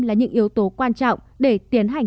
là những yếu tố quan trọng để tiến hành